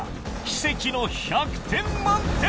奇跡の１００点満点